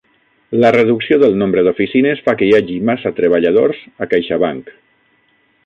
La reducció del nombre d'oficines fa que hi hagi massa treballadors a CaixaBank